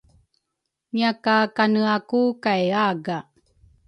ngiakakaneaku kay aga.